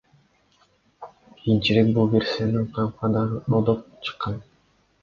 Кийинчерээк бул версияны УКМК дагы колдоп чыккан.